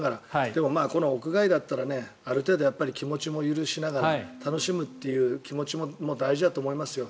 でも、この屋外だったらある程度、気持ちも許しながら楽しむという気持ちも大事だと思いますよ。